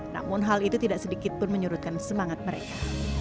namun hal itu tidak sedikit pun menyurutkan semangat mereka